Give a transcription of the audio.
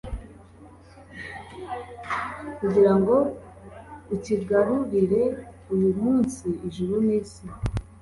kugira ngo ukigarurire. uyu munsi, ijuru n’isi